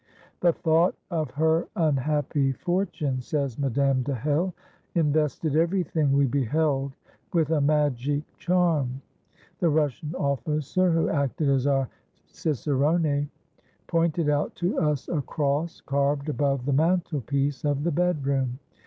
"The thought of her unhappy fortune," says Madame de Hell, "invested everything we beheld with a magic charm. The Russian officer, who acted as our cicerone, pointed out to us a cross carved above the mantel piece of the bedroom.